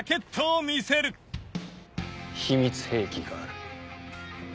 秘密兵器がある。